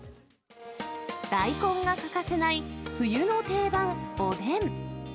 大根が欠かせない冬の定番、おでん。